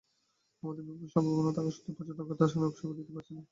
আমাদের বিপুল সম্ভাবনা থাকা সত্ত্বেও পর্যটন খাত আশানুরূপ সেবা দিতে পারছে না।